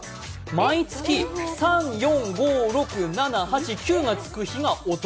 毎月、３、４、５、６、７、８、９のつく日がお得。